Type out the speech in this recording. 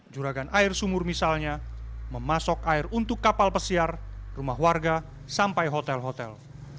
juragan air sumur misalnya memasok air untuk kapal pesiar rumah warga sampai hotel hotel